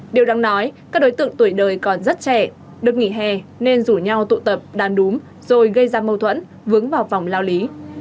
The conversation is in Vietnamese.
điều đáng nói các đối tượng tuổi đời còn rất trẻ được nghỉ hè nên rủ nhau tụ tập đàn đúng rồi gây ra mâu thuẫn vướng vào vòng lao lý